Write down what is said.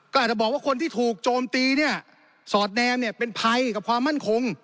ก็อาจจะบอกว่าคนที่ถูกโจมตีเนี่ยสอดแนมเนี่ยเป็นภัยกับความมั่นคง